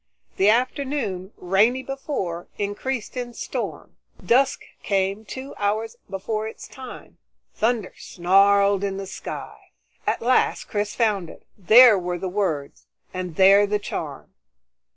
The afternoon, rainy before, increased in storm. Dusk came two hours before its time; thunder snarled in the sky. At last Chris found it. There were the words, and there the charm.